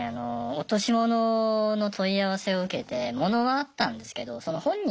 落とし物の問い合わせを受けて物はあったんですけどその本人